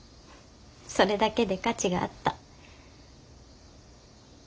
それだけで価値があった。